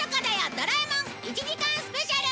ドラえもん１時間スペシャル！！』